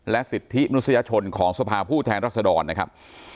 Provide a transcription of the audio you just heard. สิทธิมนุษยชนของสภาผู้แทนรัศดรนะครับ